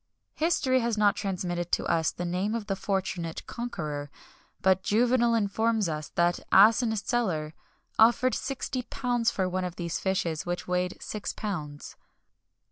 History has not transmitted to us the name of the fortunate conqueror; but Juvenal informs us that Asinius Celer offered sixty pounds for one of these fishes which weighed six pounds.